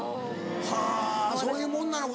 はぁそういうもんなのか。